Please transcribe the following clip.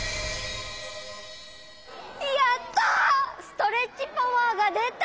やった！